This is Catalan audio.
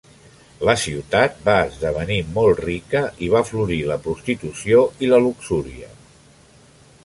La ciutat va esdevenir molt rica, i va florir la prostitució i la luxúria.